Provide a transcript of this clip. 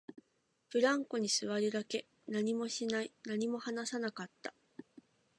ブランコに座るだけ、何もしない、何も話さなかった